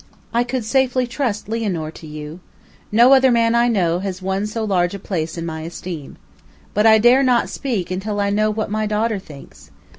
I could safely trust Lianor to you. No other man I know has won so large a place in my esteem. But I dare not speak until I know what my daughter thinks.